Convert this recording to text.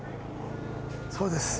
そうです。